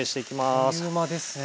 あっという間ですね。